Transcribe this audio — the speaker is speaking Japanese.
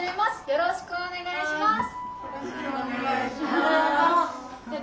よろしくお願いします。